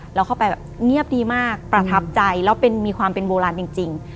เราเข้าไปแบบเงียบดีมากประทับใจแล้วมีความเป็นโบราณจริง